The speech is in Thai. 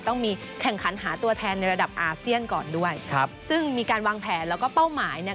ต้องมีแข่งขันหาตัวแทนในระดับอาเซียนก่อนด้วยครับซึ่งมีการวางแผนแล้วก็เป้าหมาย